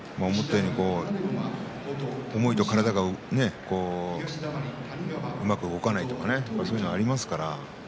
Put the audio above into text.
思いと体がうまく動かないとかそういうことがありますから。